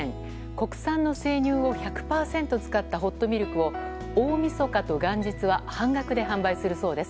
国産の生乳を１００％使ったホットミルクを大みそかと元日は半額で販売するそうです。